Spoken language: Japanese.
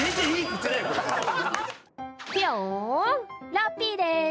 ラッピーでーす。